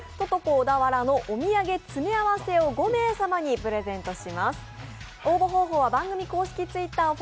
小田原のお土産詰め合わせを５名様にプレゼントします。